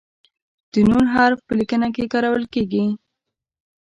د "ن" حرف په لیکنه کې کارول کیږي.